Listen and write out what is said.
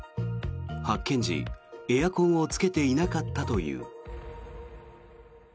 発見時、エアコンをつけていなかったという。